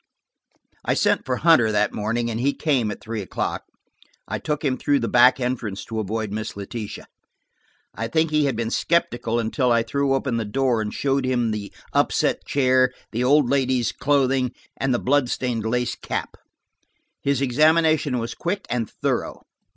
I sent for Hunter that morning and he came at three o'clock. I took him through the back entrance to avoid Miss Letitia. I think he had been skeptical until I threw open the door and showed him the upset chair, the old lady's clothing, and the blood stained lace cap. His examination was quick and thorough.